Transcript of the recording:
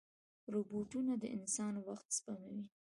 روبوټونه د انسان وخت سپموي.